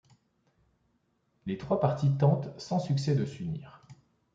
Les trois partis tentent sans succès de s'unir.